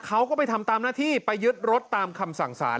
เขาก็ไปทำตามหน้าที่ไปยึดรถตามคำสั่งสาร